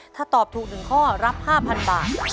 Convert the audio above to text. ถ้าตอบถูก๑ข้อรับ๕๐๐บาท